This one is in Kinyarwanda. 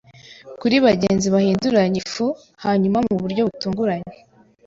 kuri bagenzi bahinduranya ifu; hanyuma mu buryo butunguranye